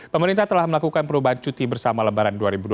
pemerintah telah melakukan perubahan cuti bersama lebaran dua ribu dua puluh